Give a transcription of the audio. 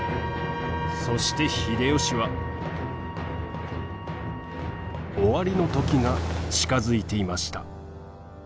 そして秀吉は終わりの時が近づいていました。